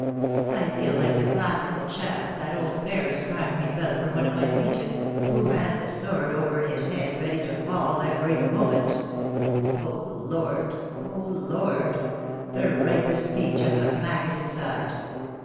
I feel like the classical chap, that old Ferris primed me about for one of my speeches, who had the sword over his head ready to fall every moment ... O Lord ! O Lord ! the ripest peach has a maggot in side.